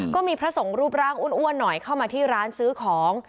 ก็มีพระสงฆ์รูปร่างอ้วนหน่อยเข้ามาที่ร้านซื้อของ